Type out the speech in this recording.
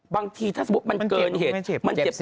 บางทีถ้าสมมุติมันเกินเหตุมันเจ็บ